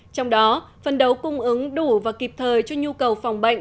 trong đó phân đấu cung ứng đủ và kịp thời cho nhu cầu phòng bệnh